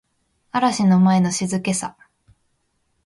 嵐の前の静けさ